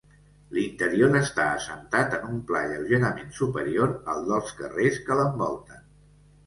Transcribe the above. L'interior està assentat en un pla lleugerament superior al dels carrers que l'envolten.